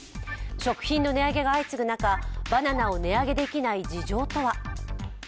食品の値上げが相次ぐ中、バナナを値上げできない事情とは。